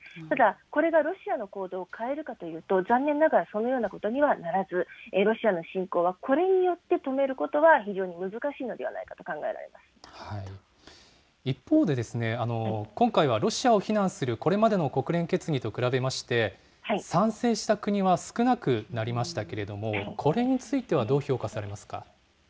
ただ、これがロシアの行動を変えるかというと、残念ながら、そのようなことにはならず、ロシアの侵攻はこれによって止めることは、非常に難しいのではないかと考え一方で、今回はロシアを非難するこれまでの国連決議と比べまして、賛成した国は少なくなりましたけれども、これについては、どう評価されますか？